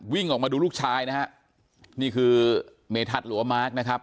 วิ่งออกมาดูลูกชายนะฮะนี่คือเมทัศน์หรือว่ามาร์คนะครับ